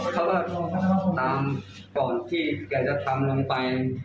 เพราะว่าเมื่อก่อนที่ว่าจะทำลงไป